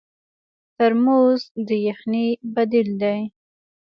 ترموز د یخنۍ بدیل دی.